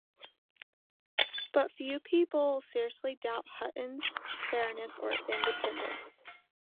But few people seriously doubt Hutton's fairness or independence.